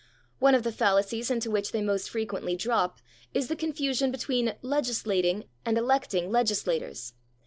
One of the fallacies into which they most frequently drop is the confusion between legislating and electing legislators.